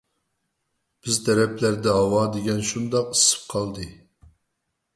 بىز تەرەپلەردە ھاۋا دېگەن شۇنداق ئىسسىپ قالدى.